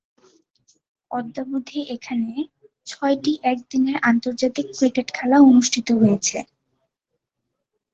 অদ্যাবধি এখানে ছয়টি একদিনের আন্তর্জাতিক ক্রিকেট খেলা অনুষ্ঠিত হয়েছে।